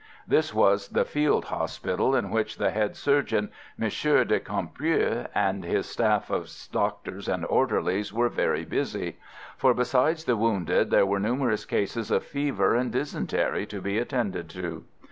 This was the field hospital, in which the head surgeon, M. de Camprieu, and his staff of doctors and orderlies were very busy; for besides the wounded there were numerous cases of fever and dysentery to be attended to.